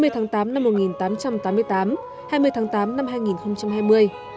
hai mươi tháng tám năm một nghìn tám trăm tám mươi tám hai mươi tháng tám năm hai nghìn hai mươi